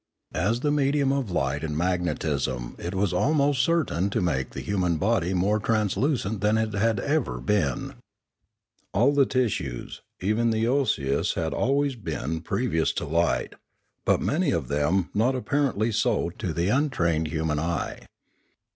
As the medium of light and magnetism it was almost 462 , Limanora certain to make the human body more translucent than it had ever been. All the tissues, even the osseous, had always been pervious to light, but many of them not apparently so to the untrained human eye.